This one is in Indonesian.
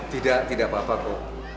tidak tidak apa apa kok